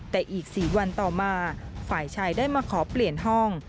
แต่อีก๔วันต่อมาฝ่ายชายได้มาขอเปลี่ยนห้อง